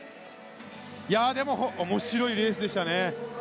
面白いレースでしたね。